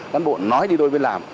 cán bộ nói đi thôi mới làm